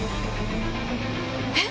えっ？